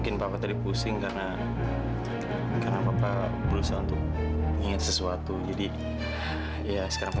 kayaknya sudah jelas tiga puluh